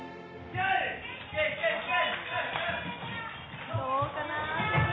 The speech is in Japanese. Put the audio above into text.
どうかな？」